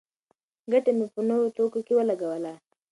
ګټه مې په نوو توکو کې ولګوله.